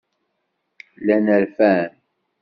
Llan rfan.